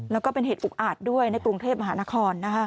แล้วก็เป็นเหตุอุกอาจด้วยในกรุงเทพมหานคร